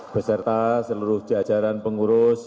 beserta seluruh jajaran pengurus